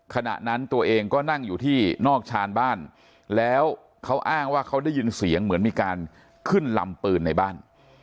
ขณะนั้นตัวเองก็นั่งอยู่ที่นอกชานบ้านแล้วเขาอ้างว่าเขาได้ยินเสียงเหมือนมีการขึ้นลำปืนในบ้าน